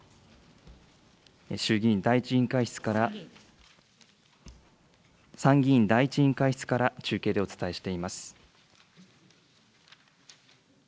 衆議院第１委員会室から、参議院第１委員会室から中継でお伝えしています。